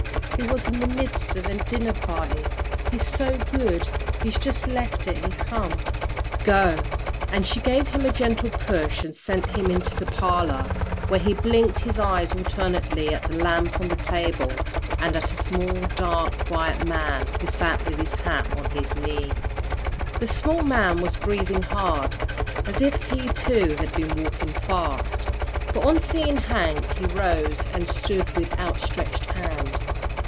He was in the midst of a dinner party. He's so good he jus' left it an' come. Go " and she gave him a gentle push and sent him into the parlour, where he blinked his eyes alternately at the lamp on the table, and at a small, dark, quiet man who sat with his hat on his knee. The small man was breathing hard, as if he, too, had been walking fast, but on seeing Hank, he rose and stood with outstretched hand.